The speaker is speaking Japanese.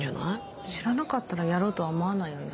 知らなかったらやろうとは思わないよね。